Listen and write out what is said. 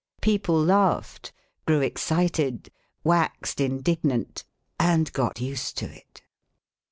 People laughed, grew excited, waxed indignant, and got used to it.